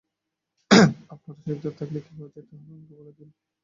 আপনার অসুবিধা থাকলে কীভাবে যেতে হবে আমাকে বলে দিন।